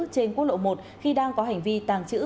trên quốc lộ một khi đang có hành vi tàng trữ